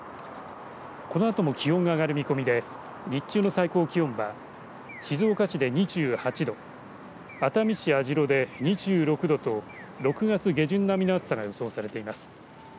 このあとも気温が上がる見込みで日中の最高気温は静岡市で２８度熱海市網代で２６度と６月下旬並みの暑さが予想されています。